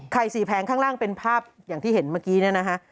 สี่แผงข้างล่างเป็นภาพอย่างที่เห็นเมื่อกี้เนี่ยนะฮะ